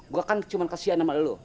gua kan cuma kesian sama lu